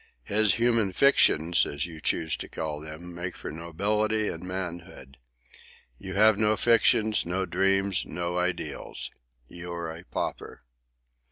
"His human fictions, as you choose to call them, make for nobility and manhood. You have no fictions, no dreams, no ideals. You are a pauper."